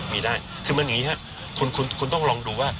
มีได้คือมันอย่างนี้ครับคุณต้องลองดูว่า